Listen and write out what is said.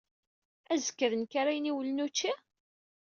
Azekka d nekk ara iniwlen ucci?